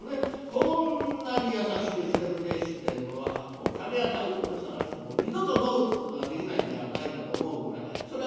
こんなに優しくしてる亭主ってえものは鉦や太鼓で探しても二度と添うことができないんじゃないかと思うぐらいそら